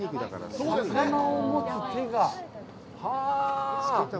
魚を持つ手が。